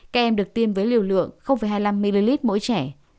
các em được tiêm với liều lượng hai mươi năm ml mỗi trẻ